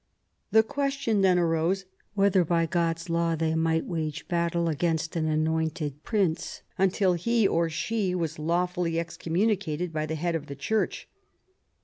The ques tion then arose " whether by God's law they might wage battle against an anointed Prince, until he or she was lawfully excommunicated by the Head of the Church